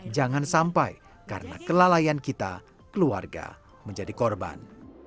jangan sampai karena kelalaian kita keluarga menjadi korban